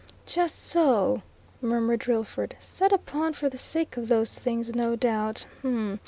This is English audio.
"Just so!" murmured Drillford. "Set upon for the sake of those things, no doubt.